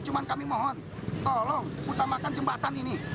cuma kami mohon tolong utamakan jembatan ini